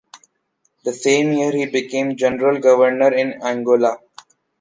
That same year, he became General Governor in Angola.